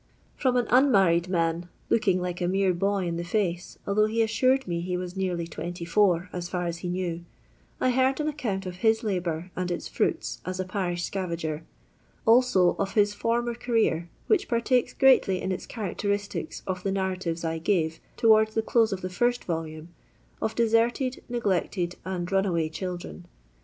From an unmarrUd roan, looking like a mere boy in the fiiee, although he assured me he was nearly 24, as fiur as he knew, I heard an account of his labour and its fruits as a parish scarager ; also of his former career, which partakes greatly in its characteristics of the narratives I gave, to ward the dose of the first volume, of deserted, ne^ected, and runaway children.